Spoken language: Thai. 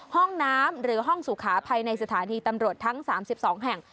ห้องน้ำหรือห้องสุขาภัยในสถานีตรรวจทั้งสามสิบสองแห่ง